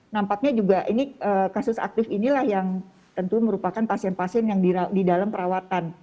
nampaknya juga ini kasus aktif inilah yang tentu merupakan pasien pasien yang di dalam perawatan